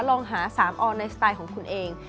ลองหา๓ออนในสไตล์ของคุณเอง